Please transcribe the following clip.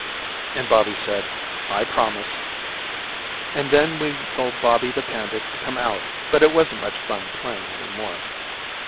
And Bobby said I promise. And then we told Bobby the panda to come out but it wasn't much fun playing any more.